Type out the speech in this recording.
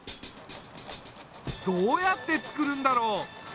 どうやってつくるんだろう？